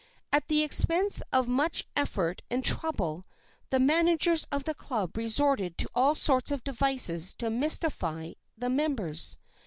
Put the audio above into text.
At the expense of much ef fort and trouble the managers of the club resorted to all sorts of devices to mystify the members.